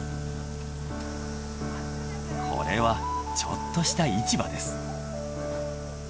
これはちょっとした市場です。